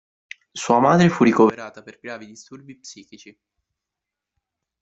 Sua madre fu ricoverata per gravi disturbi psichici.